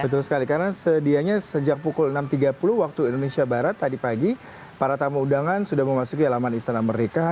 betul sekali karena sedianya sejak pukul enam tiga puluh waktu indonesia barat tadi pagi para tamu undangan sudah memasuki alaman istana merdeka